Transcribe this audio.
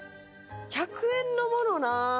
１００円のものな。